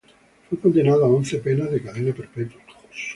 Fue condenado a once penas de cadena perpetua.